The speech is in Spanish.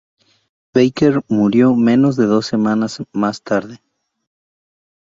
Baker murió menos de dos semanas más tarde.